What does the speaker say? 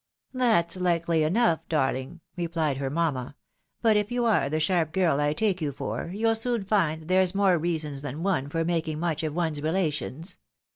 " That's likely enough, darling," replied her mamma ;" but if you are the sharp girl I take you for, you'll soon find that there's more reasons than one for making much of one's re lations.